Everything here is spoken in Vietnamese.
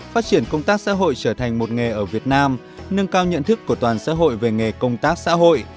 phát triển công tác xã hội trở thành một nghề ở việt nam nâng cao nhận thức của toàn xã hội về nghề công tác xã hội